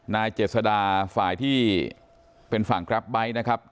นายเจษดาฝ่ายที่เป็นฝั่งกราฟไบท์นะครับ